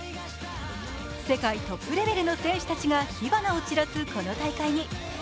世界トップレベルの選手たちが火花を散らすこの大会に「ＴＨＥＴＩＭＥ，」